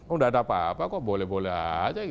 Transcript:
oh tidak ada apa apa kok boleh boleh saja